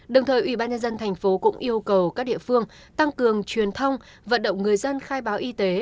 đồng thời ủy ban nhân dân thành phố cũng yêu cầu các địa phương tăng cường truyền thông vận động người dân khai báo y tế